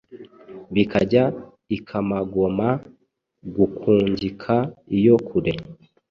bikajya i Kamagoma gukungika iyo kure: